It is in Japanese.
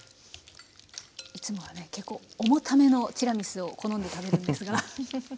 いつもはね結構重ためのティラミスを好んで食べるんですが。